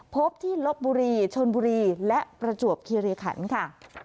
พบที่ลบบุรีชนบุรีและประจวบคิริขันค่ะ